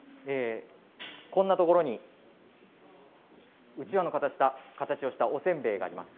こんなところにうちわの形をしたおせんべいがあります。